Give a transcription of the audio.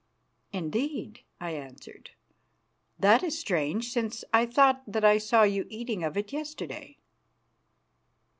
"Indeed," I answered. "That is strange, since I thought that I saw you eating of it yesterday."